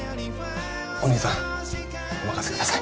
お兄さんお任せください。